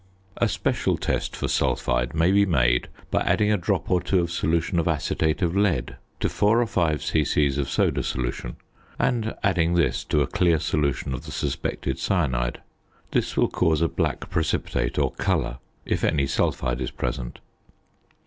A special test for sulphide may be made by adding a drop or two of solution of acetate of lead to four or five c.c. of soda solution and adding this to a clear solution of the suspected cyanide. This will cause a black precipitate or colour, if any sulphide is present.